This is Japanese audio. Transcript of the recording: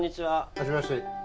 はじめまして。